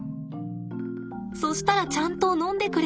そしたらちゃんと飲んでくれるんです。